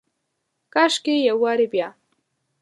کاشکي یو وارې بیا،